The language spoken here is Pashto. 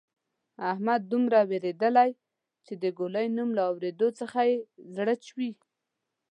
احمد دومره وېرېدلۍ چې د ګولۍ د نوم له اورېدو څخه یې زړه چوي.